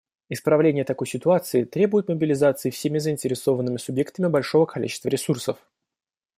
Исправление такой ситуации требует мобилизации всеми заинтересованными субъектами большего количества ресурсов.